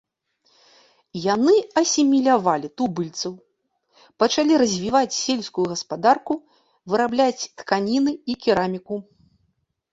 Яны асімілявалі тубыльцаў, пачалі развіваць сельскую гаспадарку, вырабляць тканіны і кераміку.